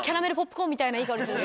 みたいないい香りする。